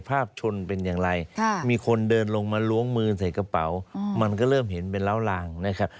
ภาพชนเป็นอย่างไรมีคนเดินลงมาล้วงมือใส่กระเป๋ามันก็เริ่มเห็นเป็นล้าวลางนะครับ